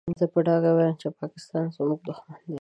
زه په ډاګه وايم چې پاکستان زموږ دوښمن دی.